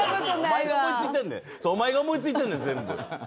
おまえが思いついてんねん、全部。